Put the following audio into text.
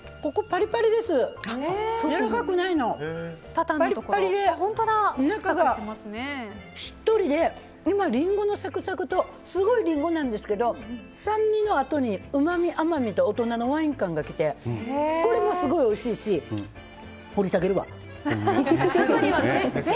パリッパリで、中がしっとりで今、リンゴのサクサクですごいリンゴなんですけど酸味のあとにうまみ、甘みと大人のワイン感が来てこれもすごいおいしいし掘り下げるわ。